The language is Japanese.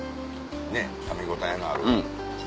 ねっかみ応えのある。